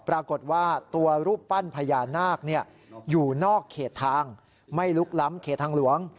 ปรากฏว่าตัวรูปปั้นพญานาคอยู่นอกเขตทางไม่ลุกล้ำเขตทางหลวง